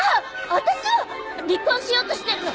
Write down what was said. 私は離婚しようとしてるの。